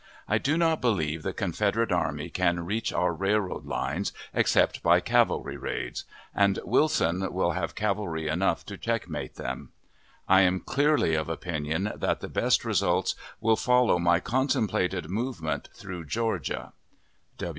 I do not believe the Confederate army can reach our railroad lines except by cavalry raids, and Wilson will have cavalry enough to checkmate them. I am clearly of opinion that the best results will follow my contemplated movement through Georgia.